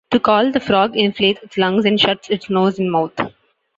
To call, the frog inflates its lungs and shuts its nose and mouth.